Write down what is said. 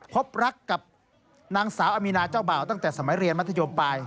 พบรักกับนางสาวอามีนาเจ้าบ่าวตั้งแต่สมัยเรียนมัธยมปลาย